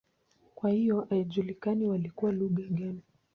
Kwa hiyo haijulikani walitumia lugha gani.